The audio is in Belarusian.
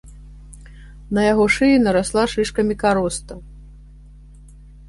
На яго шыі нарасла шышкамі кароста.